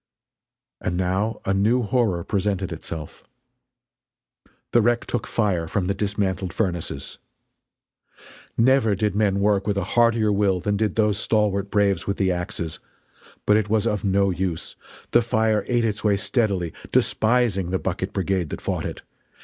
And now a new horror presented itself. The wreck took fire from the dismantled furnaces! Never did men work with a heartier will than did those stalwart braves with the axes. But it was of no use. The fire ate its way steadily, despising the bucket brigade that fought it.